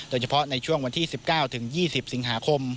โดยเฉพาะในช่วงวันที่๑๙๒๐สิงหาคม